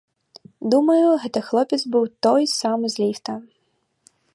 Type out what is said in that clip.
Думаю, гэты хлопец быў той самы, з ліфта.